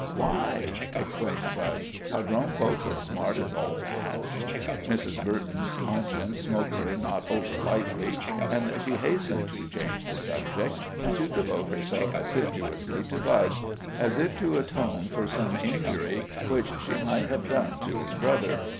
"Why!" exclaimed Budge. "Are grown folks as smart, as all that?" Mrs. Burton's conscience smote her not over lightly, and she hastened to change the subject, and to devote herself assiduously to Budge, as if to atone for some injury which she might have done to his brother.